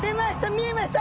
見えました！